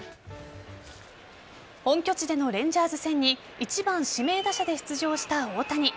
本拠地でのレンジャーズ戦に１番・指名打者で出場した大谷。